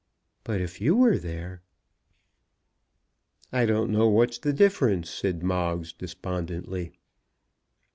But if you were there !" "I don't know what's the difference," said Moggs despondently.